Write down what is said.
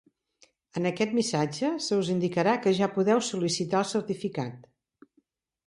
En aquest missatge se us indicarà que ja podeu sol·licitar el certificat.